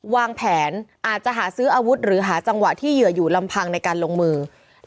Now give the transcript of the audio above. วางแผนอาจจะหาซื้ออาวุธหรือหาจังหวะที่เหยื่ออยู่ลำพังในการลงมือ